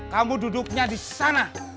kamu duduknya di sana